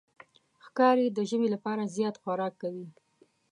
ښکاري د ژمي لپاره زیات خوراک کوي.